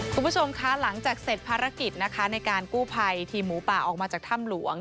คุณผู้ชมคะหลังจากเสร็จภารกิจนะคะในการกู้ภัยทีมหมูป่าออกมาจากถ้ำหลวง